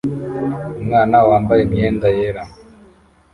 Umwana wambaye imyenda yera